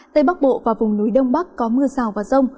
tây bắc bộ và vùng núi đông bắc có mưa rào và rông